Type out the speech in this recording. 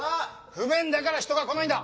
不便だから人が来ないんだ！